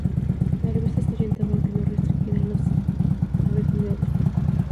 La revista está orientada, aunque no restringida, a las aves del Neotrópico.